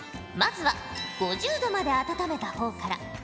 まずは５０℃まで温めた方から。